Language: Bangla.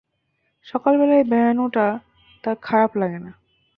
সকালবেলা এই বেড়ানোটা তাঁর খারাপ লাগে না।